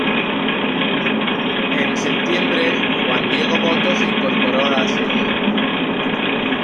En septiembre, Juan Diego Botto se incorporó a la serie.